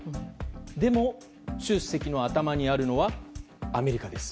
でも、習主席の頭にあるのはアメリカです。